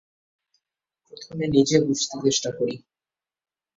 প্রথমে নিজে বুঝতে চেষ্টা করি।